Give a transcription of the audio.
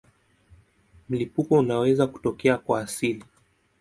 Mlipuko unaweza kutokea kwa asili.